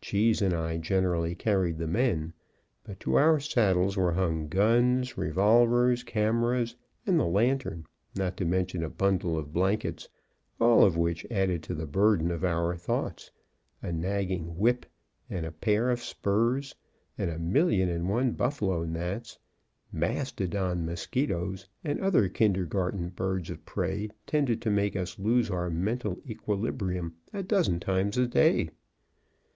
Cheese and I generally carried the men; but to our saddles were hung guns, revolvers, cameras, and the lantern, not to mention a bundle of blankets; all of which, added to the burden of our thoughts, a nagging whip and a pair of spurs, and a million and one buffalo gnats, mastodon mosquitos, and other kindergarten birds of prey, tended to make us lose our mental equilibrium a dozen times a day.